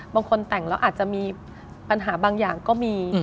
บางคนแต่งแล้วอาจจะมีปัญหาบางอย่างก็มี